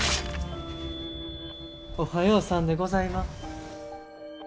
おはようさんでございます。